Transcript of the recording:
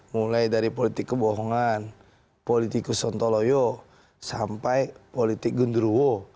mulai dari politik kebohongan politikus sontoloyo sampai politik gundurwo